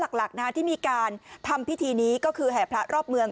หลักที่มีการทำพิธีนี้ก็คือแห่พระรอบเมือง